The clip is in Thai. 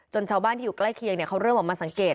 ชาวบ้านที่อยู่ใกล้เคียงเขาเริ่มออกมาสังเกต